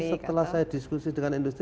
setelah saya diskusi dengan industri